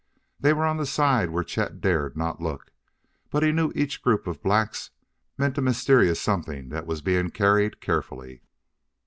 They were on the side where Chet dared not look, but he knew each group of blacks meant a mysterious something that was being carried carefully.